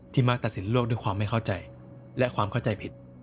มักตัดสินโลกด้วยความไม่เข้าใจและความเข้าใจผิด